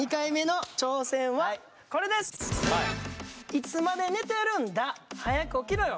「いつまで寝てるんだ早く起きろよ」。